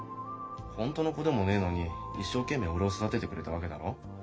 本当の子でもねえのに一生懸命俺を育ててくれたわけだろ。